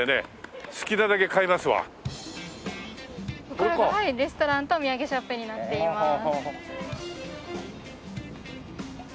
こちらがレストランとお土産ショップになっています。